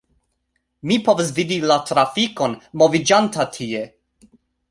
Mi povas vidi la trafikon moviĝanta tie